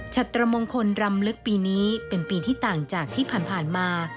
ชัตรมงคลรำลึกปีนี้เป็นปีที่ต่างจากที่ผ่านมา